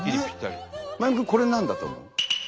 真弓君これ何だと思う？